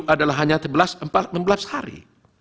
adalah hanya enam belas hari